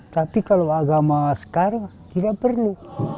tapi kalau agama sekarang tidak perlu